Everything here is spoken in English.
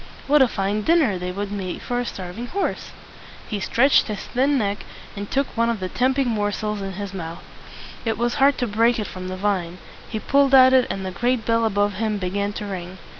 What a fine dinner they would be for a starving horse! He stretched his thin neck, and took one of the tempting morsels in his mouth. It was hard to break it from the vine. He pulled at it, and the great bell above him began to ring.